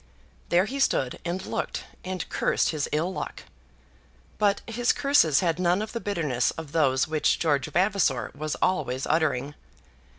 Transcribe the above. There he stood and looked, and cursed his ill luck. But his curses had none of the bitterness of those which George Vavasor was always uttering.